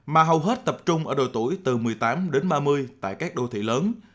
mà hầu hết tập trung ở đội tuổi từ một mươi tám đến ba mươi tại các đô thị lớn